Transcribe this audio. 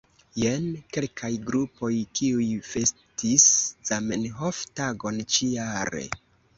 Jen kelkaj grupoj, kiuj festis Zamenhof-tagon ĉi-jare.